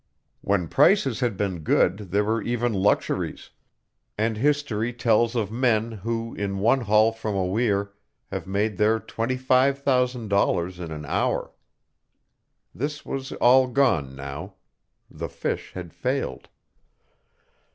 When prices had been good there were even luxuries, and history tells of men who, in one haul from a weir, have made their twenty five thousand dollars in an hour. This was all gone now. The fish had failed.